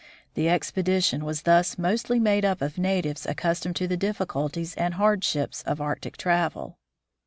The expedition was thus mostly made up of natives accustomed to the difficulties and hardships of Arctic travel.